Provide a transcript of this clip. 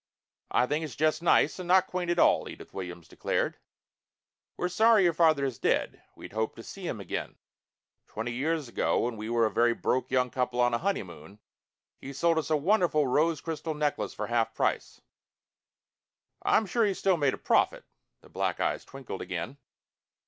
"I think it's just nice, and not quaint at all," Edith Williams declared. "We're sorry your father is dead. We'd hoped to see him again. Twenty years ago when we were a very broke young couple on a honeymoon he sold us a wonderful rose crystal necklace for half price." "I'm sure he still made a profit." The black eyes twinkled again.